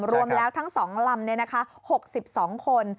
รวมแล้วทั้ง๒ลำ๖๒คน